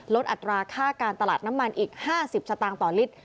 อัตราค่าการตลาดน้ำมันอีก๕๐สตางค์ต่อลิตร